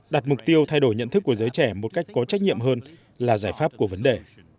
đặt mục tiêu thay đổi nhận thức của giới trẻ một cách có trách nhiệm hơn là giải pháp của vấn đề